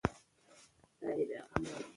راتلونکی نسل زموږ په لاس کې دی.